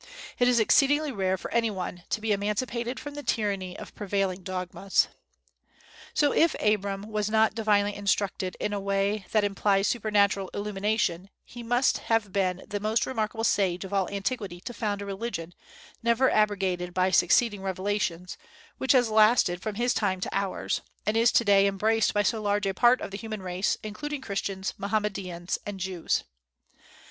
It is exceedingly rare for any one to be emancipated from the tyranny of prevailing dogmas. So, if Abram was not divinely instructed in a way that implies supernatural illumination, he must have been the most remarkable sage of all antiquity to found a religion never abrogated by succeeding revelations, which has lasted from his time to ours, and is to day embraced by so large a part of the human race, including Christians, Mohammedans, and Jews.